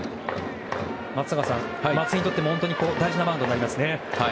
松坂さん、松井にとっても本当に大事なマウンドですね。